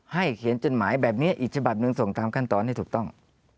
เขียนจดหมายแบบนี้อีกฉบับหนึ่งส่งตามขั้นตอนให้ถูกต้อง